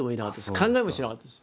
考えもしなかったです。